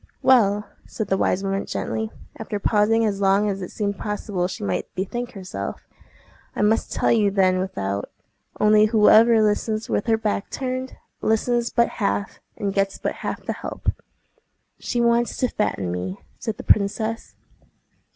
"Well," said the wise woman gently, after pausing as long as it seemed possible she might bethink herself, "I must tell you then without; only whoever listens with her back turned, listens but half, and gets but half the help." "She wants to fatten me," said the princess.